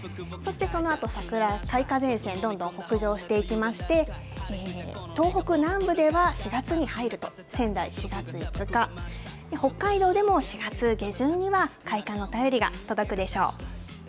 そしてそのあと、桜の開花前線、どんどん北上していきまして、東北南部では４月に入ると、仙台４月５日、北海道でも４月下旬には開花の便りが届くでしょう。